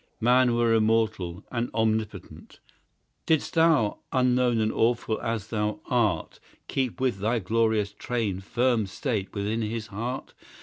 Man were immortal, and omnipotent, Didst thou, unknown and awful as thou art, Keep with thy glorious train firm state within his heart.